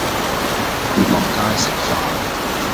落街食飯